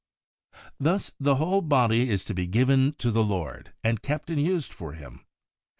Thus the whole body is to be given to the Lord, and kept and used for Him.